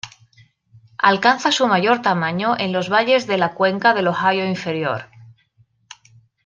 Alcanza su mayor tamaño en los valles de la cuenca del Ohio inferior.